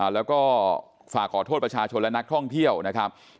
แล้วก็ฝากขอโทษประชาชนและนักท่องเที่ยวนะครับ